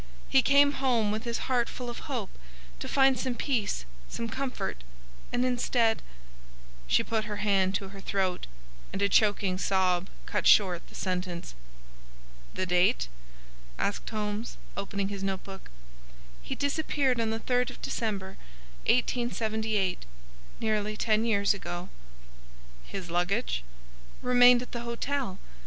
He came home with his heart full of hope, to find some peace, some comfort, and instead—" She put her hand to her throat, and a choking sob cut short the sentence. "The date?" asked Holmes, opening his note book. "He disappeared upon the 3rd of December, 1878,—nearly ten years ago." "His luggage?" "Remained at the hotel.